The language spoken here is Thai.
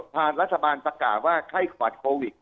ผ่านรัฐบาลประกาศว่าไข้หวัดโควิด